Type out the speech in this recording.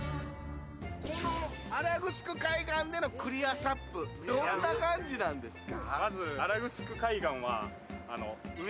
この新城海岸でのクリアＳＵＰ、どんな感じなんですか？